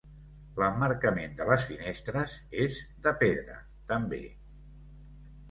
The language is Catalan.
L'emmarcament de les finestres és de pedra també.